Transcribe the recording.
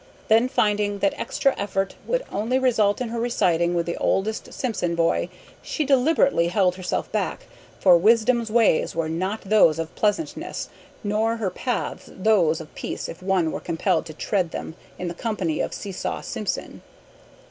Then finding that extra effort would only result in her reciting with the oldest Simpson boy, she deliberately held herself back, for wisdom's ways were not those of pleasantness nor her paths those of peace if one were compelled to tread them in the company of Seesaw Simpson.